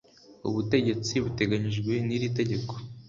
ubutegetsi buteganyijwe n'iri Tegeko